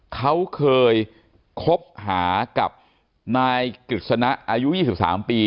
เขาเคยคบหากับนายกฤษณะอายุ๒๓ปี